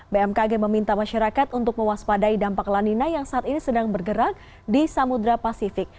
bmkg meminta masyarakat untuk mewaspadai dampak lanina yang saat ini sedang bergerak di samudera pasifik